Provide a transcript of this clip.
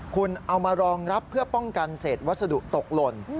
คุณเอามารองรับเพื่อป้องกันเศษวัสดุตกหล่น